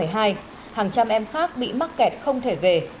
hàng trăm em khác bị mắc kẹt không thể về